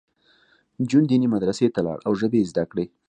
جون دیني مدرسې ته لاړ او ژبې یې زده کړې